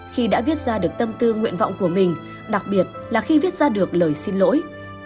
khi đã viết ra được tâm tư nguyện vọng của mình đặc biệt là khi viết ra được lời xin lỗi